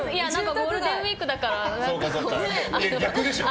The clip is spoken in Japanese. ゴールデンウィークだから何か、こう。